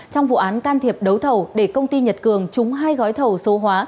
trong vụ án can thiệp đấu thầu để công ty nhật cường trúng hai gói thầu số hóa